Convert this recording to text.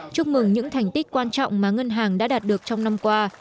chúc mừng những thành tích quan trọng mà ngân hàng đã đạt được trong năm qua